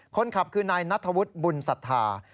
คนขับคือนายนัทวุทธ์บุญสัทธา